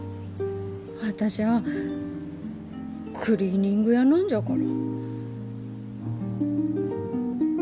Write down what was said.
私ゃあクリーニング屋なんじゃから。